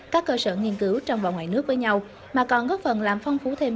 các cơ sở nghiên cứu trong và ngoài nước với nhau mà còn góp phần làm phong phú thêm